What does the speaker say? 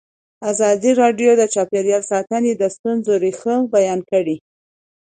ازادي راډیو د چاپیریال ساتنه د ستونزو رېښه بیان کړې.